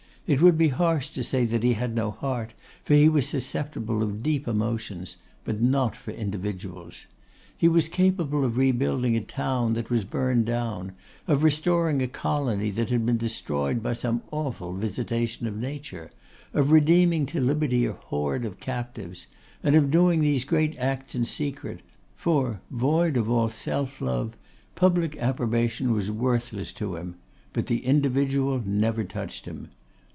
It would be harsh to say he had no heart, for he was susceptible of deep emotions, but not for individuals. He was capable of rebuilding a town that was burned down; of restoring a colony that had been destroyed by some awful visitation of Nature; of redeeming to liberty a horde of captives; and of doing these great acts in secret; for, void of all self love, public approbation was worthless to him; but the individual never touched him.